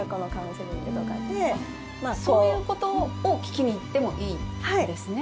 そういうことを聞きに行ってもいいんですね。